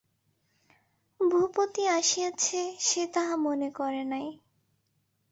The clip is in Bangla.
ভূপতি আসিয়াছে সে তাহা মনে করে নাই।